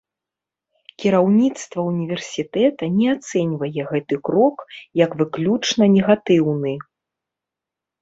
Кіраўніцтва універсітэта не ацэньвае гэты крок як выключна негатыўны.